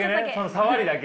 さわりだけ。